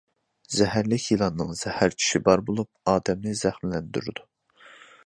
زەھەرلىك يىلاننىڭ زەھەر چىشى بار بولۇپ، ئادەمنى زەخىملەندۈرىدۇ.